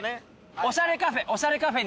おしゃれカフェ？